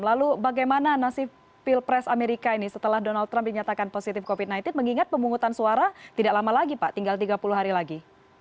lalu bagaimana nasib pilpres amerika ini setelah donald trump dinyatakan positif covid sembilan belas mengingat pemungutan suara tidak lama lagi pak tinggal tiga puluh hari lagi